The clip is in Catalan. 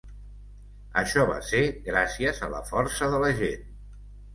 Això va ser gràcies a la força de la gent.